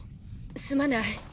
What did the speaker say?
すまない。